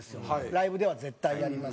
ライブでは絶対やりますし。